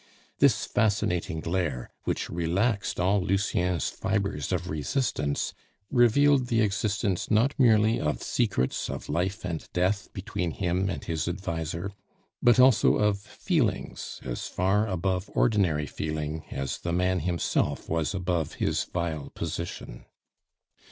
This fascinating glare, which relaxed all Lucien's fibres of resistance, revealed the existence not merely of secrets of life and death between him and his adviser, but also of feelings as far above ordinary feeling as the man himself was above his vile position.